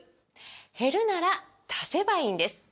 減るなら足せばいいんです！